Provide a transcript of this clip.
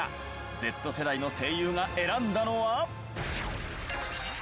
Ｚ世代の声優が選んだのは。